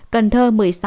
cần thơ một mươi sáu